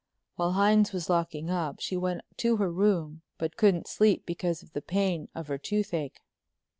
While Hines was locking up she went to her room but couldn't sleep because of the pain of her toothache.